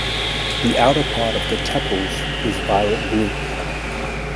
The outer part of the tepals is violet-blue.